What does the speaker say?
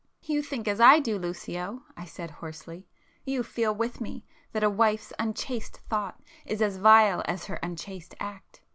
"You think as I do, Lucio!" I said hoarsely—"You feel with me, that a wife's unchaste thought is as vile as her unchaste act.